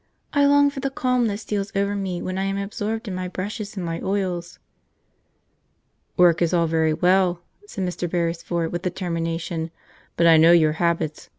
I long for the calm that steals over me when I am absorbed in my brushes and my oils." "Work is all very well," said Mr. Beresford with determination, "but I know your habits.